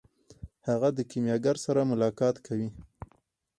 هغه د کیمیاګر سره ملاقات کوي.